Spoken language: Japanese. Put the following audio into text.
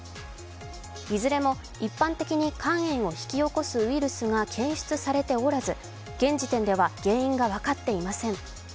いずれも一般的に肝炎を引き起こすウイルスが検出されておらず現時点では原因が分かっていません。